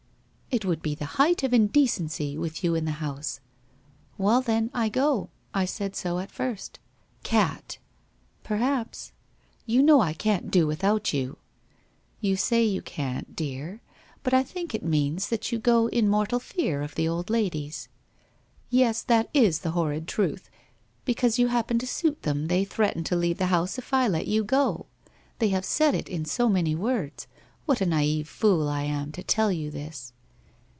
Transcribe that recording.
' It would be the height of indecency, with you in the house.' ' Well then, I go. I said so at first.' ' Cat !' 1 Perhaps.' ' You know I can't do without you.' ' You say you can't, dear. But I think it means that you go in mortal fear of the old ladies.' ' Yes, that is the horrid truth. Because you happen to suit them, they threaten to leave the house if I let you go. They have said it in so many words. What a naive fool I am to tell you this?